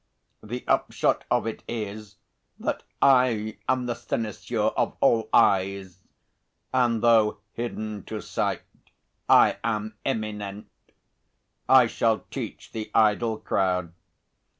The upshot of it is that I am the cynosure of all eyes, and though hidden to sight, I am eminent. I shall teach the idle crowd.